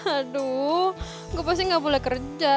aduh gue pasti gak boleh kerja